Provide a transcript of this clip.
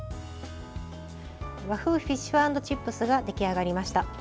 和風フィッシュ＆チップスが出来上がりました。